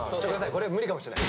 これ無理かもしれない。